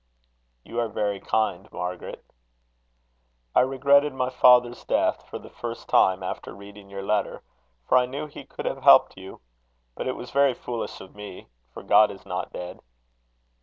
"You are very kind, Margaret." "I regretted my father's death, for the first time, after reading your letter, for I knew he could have helped you. But it was very foolish of me, for God is not dead."